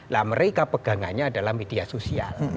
lah mereka pegangannya adalah media sosial